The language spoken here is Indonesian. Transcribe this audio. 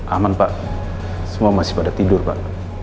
aman pak semua masih pada tidur pak